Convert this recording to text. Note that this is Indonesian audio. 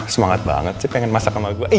semangat banget saya pengen masak sama gue